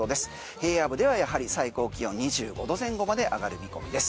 平野部ではやはり最高気温２５度前後まで上がる見込みです。